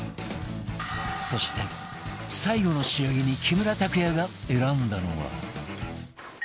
そして最後の仕上げに木村拓哉が選んだのは